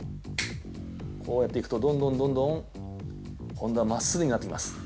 こうやっていくと、どんどん、どんどん今度は真っすぐになってきます。